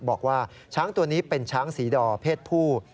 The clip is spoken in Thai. บอกว่าช้างตัวนี้เป็นช้างศรีดอเพศผู้